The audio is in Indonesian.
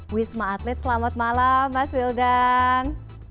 wisma atlet selamat malam mas wildan